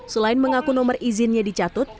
selain mengaku nomor izinnya dicatut